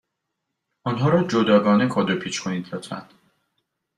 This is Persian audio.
آنها را جداگانه کادو پیچ کنید، لطفا.